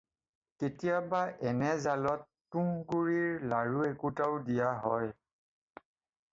কেতিয়াবা এনে জালত তুঁহগুড়িৰ লাৰু একোটাও দিয়া হয়।